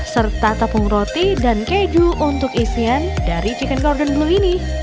serta tepung roti dan keju untuk isian dari chicken gordon blue ini